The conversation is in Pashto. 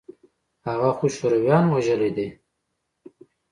هغه خو شورويانو وژلى دى.